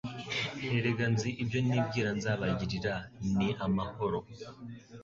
Erega nzi ibyo nibwira nzabagirira Ni amahoro